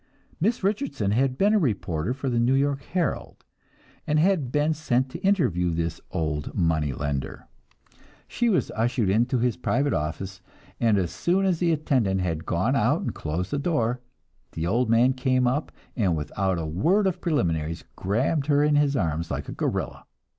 Miss Richardson had been a reporter for the New York Herald, and had been sent to interview this old money lender. She was ushered into his private office, and as soon as the attendant had gone out and closed the door, the old man came up, and without a word of preliminaries grabbed her in his arms like a gorilla.